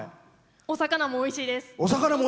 お魚もおいしいです！